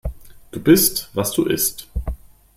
Du bist, was du isst.